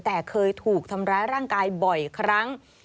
แต่เคยถูกทำร้ายร่างกายบ่อยครั้ง